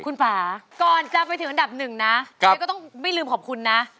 คุณป่าก่อนจะไปถึงอันดับหนึ่งนะก็ต้องไม่ลืมขอบคุณนะ